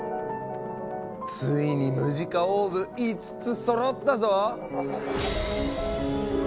ついにムジカオーブ５つそろったぞ！